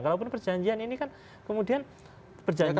kalau perjanjian ini kan kemudian perjanjian